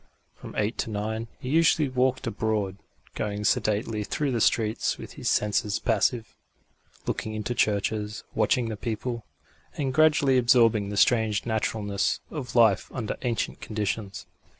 From eight to nine he usually walked abroad, going sedately through the streets with his senses passive, looking into churches, watching the people, and gradually absorbing the strange naturalness of life under ancient conditions.